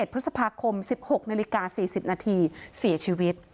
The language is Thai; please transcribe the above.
พฤษภาคม๑๖นาฬิกา๔๐นาทีเสียชีวิต